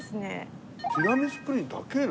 ティラミスプリン高えな。